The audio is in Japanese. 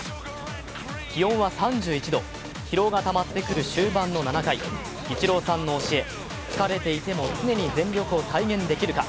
気温は３１度、疲労がたまってくる終盤の７回、イチローさんの教え疲れていても常に全力を体現できるか。